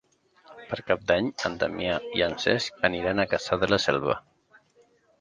Per Cap d'Any en Damià i en Cesc aniran a Cassà de la Selva.